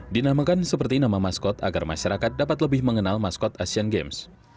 dinamakan seperti nama maskot agar masyarakat dapat lebih mengenal maskot asian games